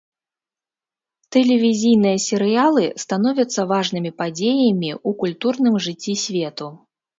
Тэлевізійныя серыялы становяцца важнымі падзеямі ў культурным жыцці свету.